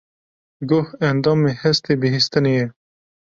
Guh endamê hestê bihîstinê ye.